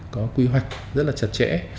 có quy hoạch rất là chặt chẽ